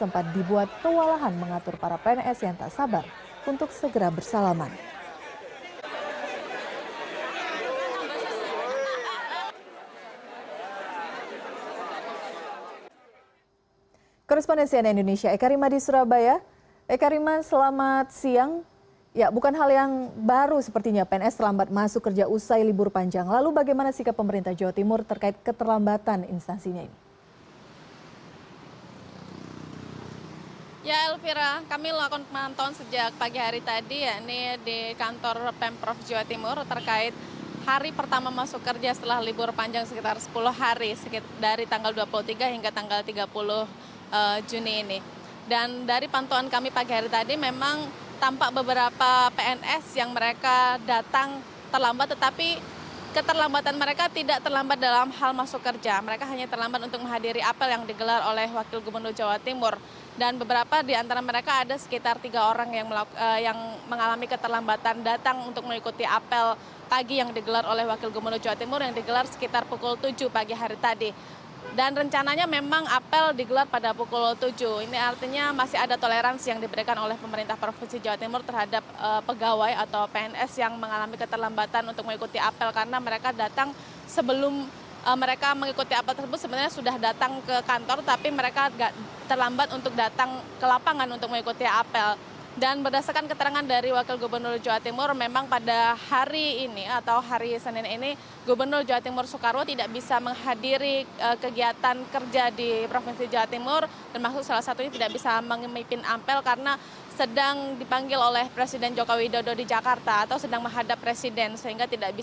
petugas saat paul pippen sempat dibuat kewalahan mengatur para pns yang tak sabar untuk segera bersalaman